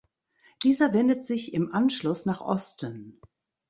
Dieser wendet sich im Anschluss nach Osten.